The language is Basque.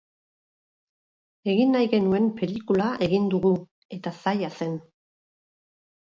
Egin nahi genuen pelikula egin dugu, eta zaila zen.